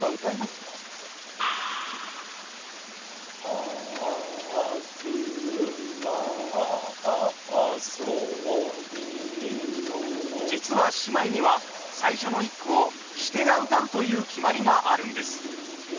大久保さん実は仕舞には最初の一句をシテが謡うという決まりがあるんです。